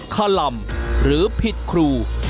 ขลำหรือผิดครู